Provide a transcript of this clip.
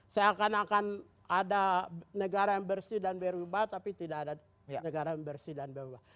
seakan akan ada negara yang bersih dan berubah tapi tidak ada negara yang bersih dan bebas